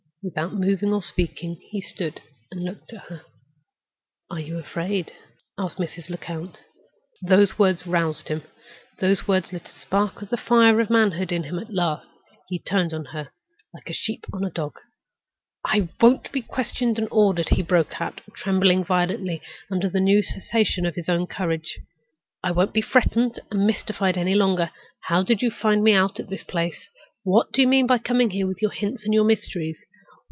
Without moving or speaking he stood and looked at her. "Are you afraid?" asked Mrs. Lecount. Those words roused him; those words lit a spark of the fire of manhood in him at last. He turned on her like a sheep on a dog. "I won't be questioned and ordered!" he broke out, trembling violently under the new sensation of his own courage. "I won't be threatened and mystified any longer! How did you find me out at this place? What do you mean by coming here with your hints and your mysteries?